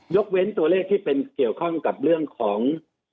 เว้นตัวเลขที่เป็นเกี่ยวข้องกับเรื่องของ